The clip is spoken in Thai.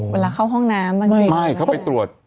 เวลาเข้าห้องน้ำบางอย่าง